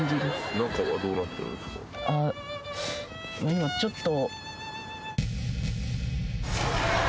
今ちょっと。